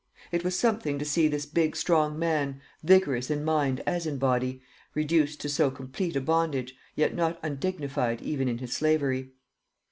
It was something to see this big strong man, vigorous in mind as in body, reduced to so complete a bondage, yet not undignified even in his slavery.